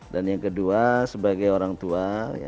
dan yang kedua sebagai orang tua